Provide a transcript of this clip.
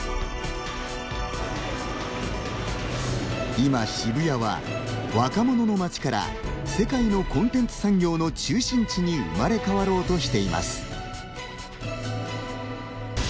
今、渋谷は若者の街から世界のコンテンツ産業の中心地に生まれ変わろうとしています。